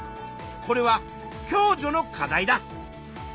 これは共助の課題だ。